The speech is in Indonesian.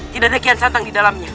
tidak ada kian santang di dalamnya